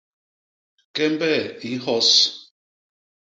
Kembe i nhyos.